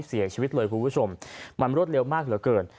เสียชีวิตเลยคุณผู้ชมมันรวดเร็วมากเหลือเกิน